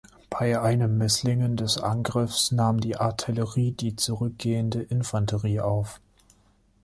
Bei einem Misslingen des Angriffs nahm die Artillerie die zurückgehende Infanterie auf.